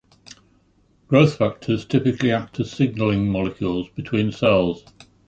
Growth factors typically act as signaling molecules between cells.